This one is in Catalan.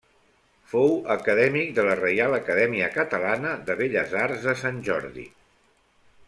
Fou acadèmic de la Reial Acadèmia Catalana de Belles Arts de Sant Jordi.